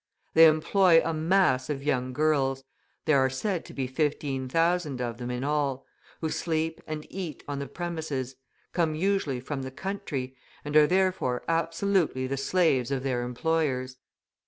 They employ a mass of young girls there are said to be 15,000 of them in all who sleep and eat on the premises, come usually from the country, and are therefore absolutely the slaves of their employers.